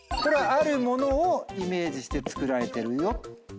これはある物をイメージして作られてるよって。